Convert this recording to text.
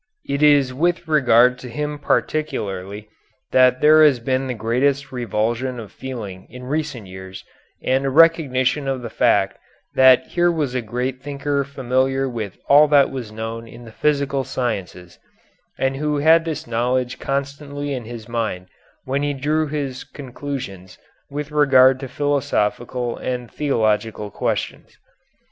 It is with regard to him particularly that there has been the greatest revulsion of feeling in recent years and a recognition of the fact that here was a great thinker familiar with all that was known in the physical sciences, and who had this knowledge constantly in his mind when he drew his conclusions with regard to philosophical and theological questions.